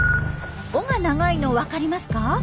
尾が長いの分かりますか？